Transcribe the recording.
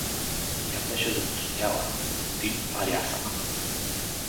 Тя беше запустяла, от години парясана.